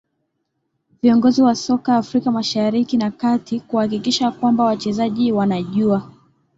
viongozi wa soka afrika mashariki na kati kuhakikisha kwamba wachezaji wanajua